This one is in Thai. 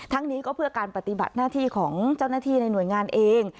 นี้ก็เพื่อการปฏิบัติหน้าที่ของเจ้าหน้าที่ในหน่วยงานเอง